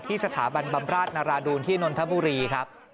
สถาบันบำราชนาราดูนที่นนทบุรีครับ